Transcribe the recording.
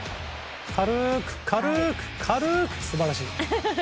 軽く軽く軽く素晴らしい。